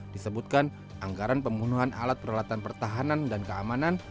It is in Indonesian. disebutkan anggaran pembunuhan alat peralatan pertahanan dan keamanan